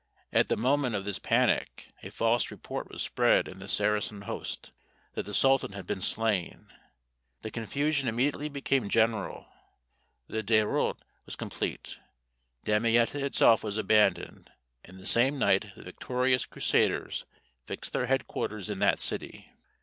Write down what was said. At the moment of this panic, a false report was spread in the Saracen host, that the sultan had been slain. The confusion immediately became general the deroute was complete: Damietta itself was abandoned, and the same night the victorious Crusaders fixed their head quarters in that city.